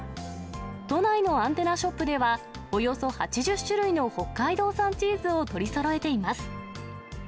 都内のアンテナショップでは、およそ８０種類の北海道産チーズを取りそろえています。